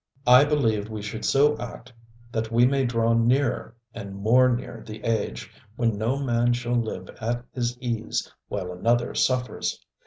I believe we should so act that we may draw nearer and more near the age when no man shall live at his ease while another suffers.